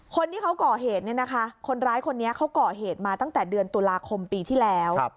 คนที่เขาก่อเหตุเนี่ยนะคะคนร้ายคนนี้เขาก่อเหตุมาตั้งแต่เดือนตุลาคมปีที่แล้ว